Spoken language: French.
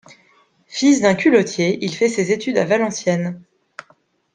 Fils d’un culottier, il fait ses études à Valenciennes.